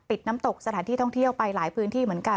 น้ำตกสถานที่ท่องเที่ยวไปหลายพื้นที่เหมือนกัน